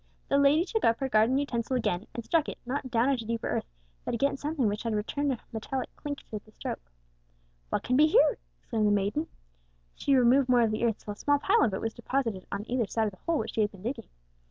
The lady took up her garden utensil again, and struck it, not down into deeper earth, but against something hard which returned a metallic clink to the stroke. "What can be here?" exclaimed the maiden. She removed more of the earth, till a small pile of it was deposited on either side of the hole which she had been digging.